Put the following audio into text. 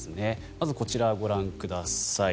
まずこちら、ご覧ください。